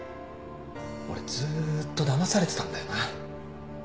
俺ずーっとだまされてたんだよな。